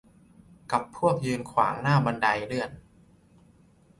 กับพวกยืนขวางหน้าบันไดเลื่อน